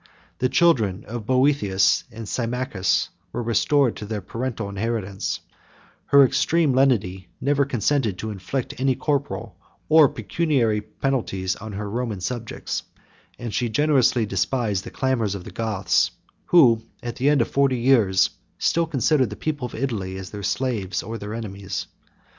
The children of Boethius and Symmachus were restored to their paternal inheritance; her extreme lenity never consented to inflict any corporal or pecuniary penalties on her Roman subjects; and she generously despised the clamors of the Goths, who, at the end of forty years, still considered the people of Italy as their slaves or their enemies.